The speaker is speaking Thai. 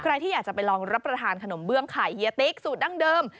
ใครที่อยากจะไปลองรับประทานขนมเบื้องไข่เฮียติ๊กสูตรดั้งเดิม